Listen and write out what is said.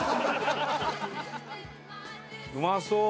うまそう！